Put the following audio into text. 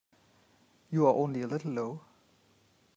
You are only a little low.